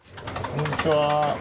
こんにちは。